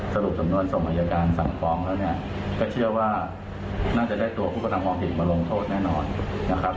สรุปสำนวนส่งอายการสั่งฟ้องแล้วเนี่ยก็เชื่อว่าน่าจะได้ตัวผู้กระทำความผิดมาลงโทษแน่นอนนะครับ